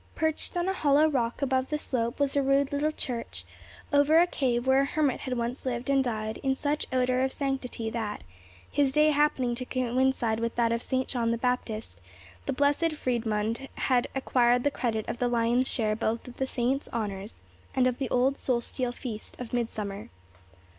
Perched on a hollow rock above the slope was a rude little church, over a cave where a hermit had once lived and died in such odour of sanctity that, his day happening to coincide with that of St. John the Baptist, the Blessed Freidmund had acquired the credit of the lion's share both of the saint's honours and of the old solstitial feast of Midsummer.